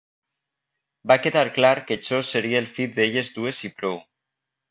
Va quedar clar que jo seria el fill d'elles dues i prou.